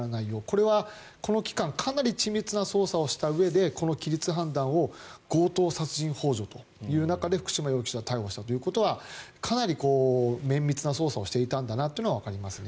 それはこの期間かなり緻密な捜査をしたうえでこの規律判断を強盗殺人ほう助という中で福島容疑者を逮捕したということはかなり綿密な捜査をしていたんだというのはわかりますね。